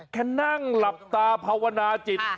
แค่นั่งหลับตาภาวนาจิต